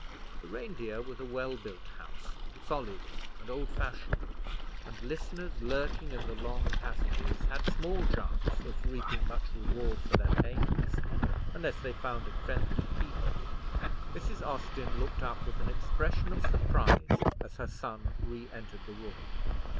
The Reindeer was a well built house, solid and old fashioned, and listeners lurking in the long passages had small chance of reaping much reward for their pains unless they found a friendly keyhole. Mrs. Austin looked up with an expression of surprise as her son re entered the room.